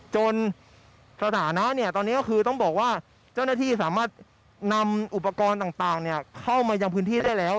สถานะตอนนี้ก็คือต้องบอกว่าเจ้าหน้าที่สามารถนำอุปกรณ์ต่างเข้ามายังพื้นที่ได้แล้ว